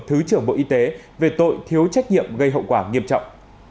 thứ trưởng bộ y tế về tội thiếu trách nhiệm gây hậu quả nghiêm trọng